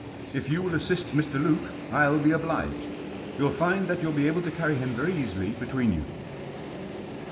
If you will assist Mr. Luke, Til be obliged. You'll find that you'll be able to carry him very easily between you."